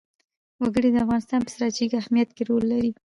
وګړي د افغانستان په ستراتیژیک اهمیت کې رول لري.